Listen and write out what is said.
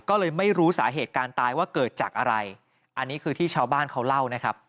ก็เลยไม่รู้สาเหตุการตายว่าเกิดจากอะไรอันนี้คือที่ชาวบ้านเขาเล่านะครับ